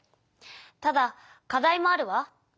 ただ課題もあるわ。